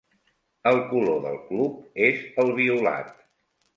El color del club és el violat.